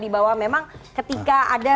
bahwa memang ketika ada